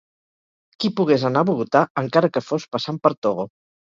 Qui pogués anar a Bogotà, encara que fos passant per Togo.